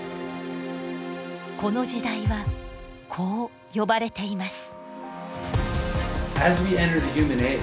この時代はこう呼ばれています。